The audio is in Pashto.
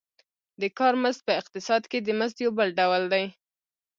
د کار مزد په اقتصاد کې د مزد یو بل ډول دی